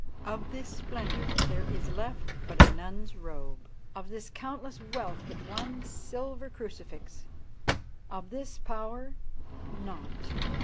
Of this splendour there is left but a nun's robe; of this countless wealth but one silver crucifix; of this power naught."